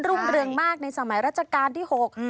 รุ่งเรืองมากในสมัยราชการที่๖